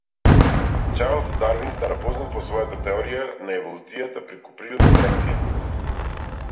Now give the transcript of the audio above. Чарлс Дарвин стана познат по својата теорија на еволуцијата преку природна селекција.